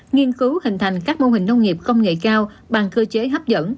nghiên cứu hình thành các mô hình nông nghiệp công nghệ cao bằng cơ chế hấp dẫn